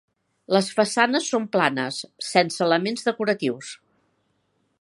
Les façanes són planes, sense elements decoratius.